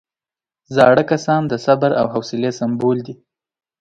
زاړه کسان د صبر او حوصلې سمبول دي